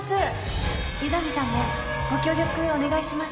湯上さんもご協力お願いします。